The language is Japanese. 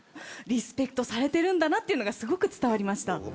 リスペクトされてるんだなっていうのがすごく伝わりました。